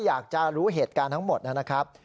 อยากจะรู้เหตุการณ์ทั้งหมดนะครับ